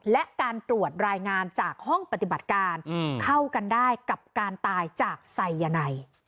และการตรวจรายงานจากห้องปฏิบัติการเข้ากันได้กับการตายจากไซยาไน